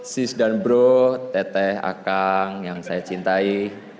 sis dan bro teteh akang yang saya cintai